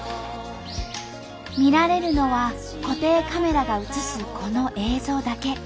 見られるのは固定カメラが映すこの映像だけ。